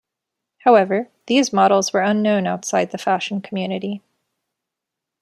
However, these models were unknown outside the fashion community.